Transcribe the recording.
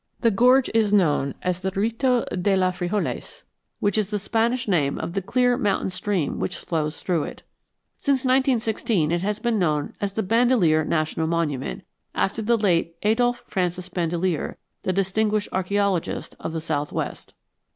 The gorge is known as the Rito de la Frijoles, which is the Spanish name of the clear mountain stream which flows through it. Since 1916 it has been known as the Bandelier National Monument, after the late Adolf Francis Bandelier, the distinguished archæologist of the southwest.